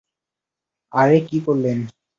আরে, কি করলেন!